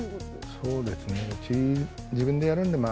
そうですね。